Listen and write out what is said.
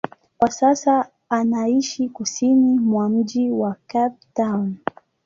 Kwa sasa anaishi kusini mwa mji wa Cape Town.